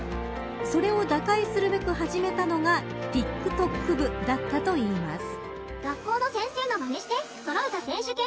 それを打開するべく始めたのがＴｉｋＴｏｋＢＵだったといいます。